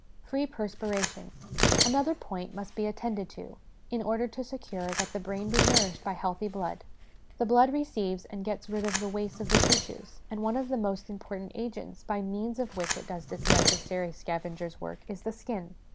Free Perspiration. Another point must be at tended to, in order to secure that the brain be nourished by healthy blood. The blood receives and gets rid of the waste of the tissues, and one of the most important agents by means of which it does this necessary scavenger's work is the skin.